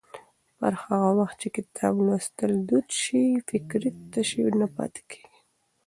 پر هغه وخت چې کتاب لوستل دود شي، فکري تشې نه پاتې کېږي.